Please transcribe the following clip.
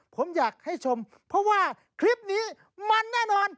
ผมอยากให้ชมเพราะว่าคลิปนี้มันแน่นอน